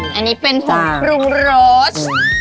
แล้วอันนี้เป็นปรุงโรจ